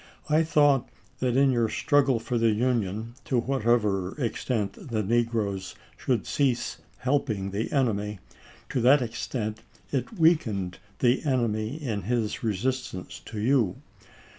I thought that in your struggle for the Union, to whatever extent the negroes should cease helping the enemy, to that extent it weakened the enemy in his resistance to you.